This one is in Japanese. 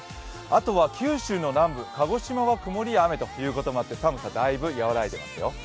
あとは九州の南部、鹿児島は曇りや雨ということで、寒さ、だいぶ和らいでいますよ。